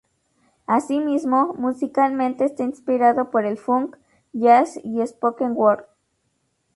Asimismo, musicalmente está inspirado por el "funk", "jazz" y "spoken word".